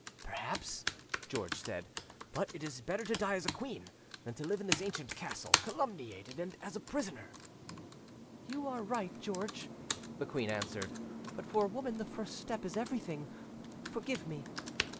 "Perhaps," George said, "but it is better to die as a queen than to live in this ancient castle calumniated and a prisoner." "You are right, George," the queen answered; "but for a woman the first step is everything: forgive me".